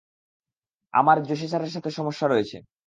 আমার যোশি স্যারের সাথে সমস্যা রয়েছে।